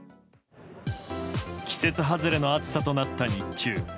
季節外れの暑さとなった日中。